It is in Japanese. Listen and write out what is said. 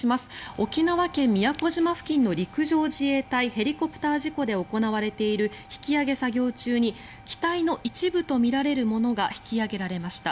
沖縄県・宮古島付近の陸上自衛隊ヘリコプター事故で行われている引き揚げ作業中に機体の一部とみられるものが引き揚げられました。